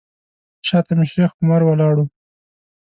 شاته مې شیخ عمر ولاړ و.